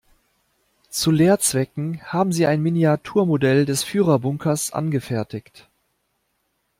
Zu Lehrzwecken haben sie ein Miniaturmodell des Führerbunkers angefertigt.